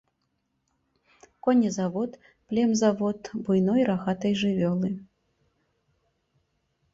Конезавод, племзавод буйной рагатай жывёлы.